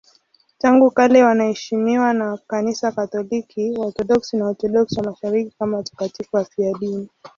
Tangu kale wanaheshimiwa na Kanisa Katoliki, Waorthodoksi na Waorthodoksi wa Mashariki kama watakatifu wafiadini.